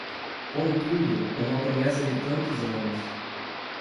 Contudo, uma promessa de tantos anos...